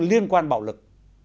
liên quan bạo lực